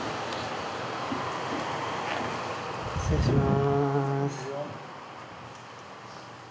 失礼します。